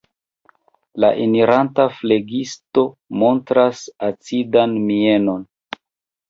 La eniranta flegisto montras acidan mienon.